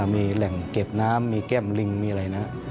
มีแหล่งเก็บน้ำมีแก้มลิงมีอะไรนะ